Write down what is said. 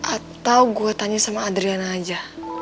atau gue tanya sama adriana aja